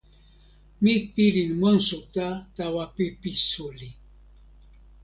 mi pilin monsuta tawa pipi suli.